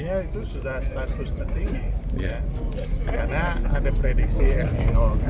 artinya itu sudah status penting karena ada prediksi el nino